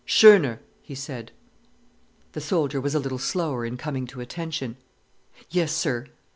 "Schöner!" he said. The soldier was a little slower in coming to attention. "Yes, sir!"